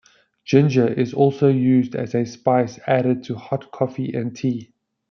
Ginger is also used as a spice added to hot coffee and tea.